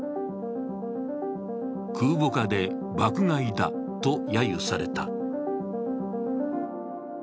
空母化で爆買いだとやゆされた。